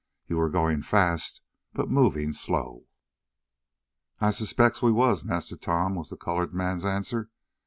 You were going fast, but moving slow." "I 'spects we was, Massa Tom," was the colored man's answer.